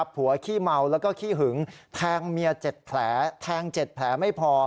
หัวขี้เมาและขี้หึงแทงเจ็ดแผลไม่พอ